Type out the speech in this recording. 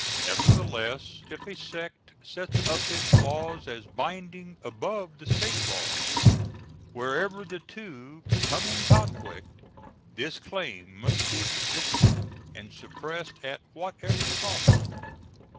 Nevertheless, if a sect sets up its laws as binding above the State laws, wherever the two come in conflict this claim must be resisted and suppressed at whatever cost.